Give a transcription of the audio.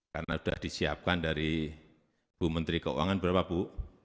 karena sudah disiapkan dari bu menteri keuangan berapa bu